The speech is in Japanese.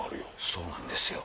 そうなんですよ。